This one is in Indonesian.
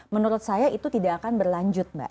menurut saya itu tidak akan berlanjut mbak